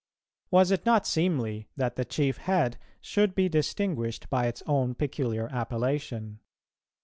Was it not seemly that the chief head should be distinguished by its own peculiar appellation?